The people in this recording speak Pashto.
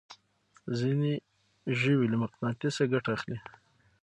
ځينې ژوي له مقناطيسه ګټه اخلي.